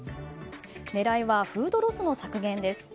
狙いはフードロスの削減です。